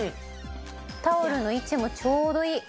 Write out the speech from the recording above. タオルの位置もちょうどいい。